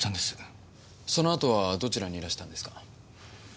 そのあとはどちらにいらしたんですか？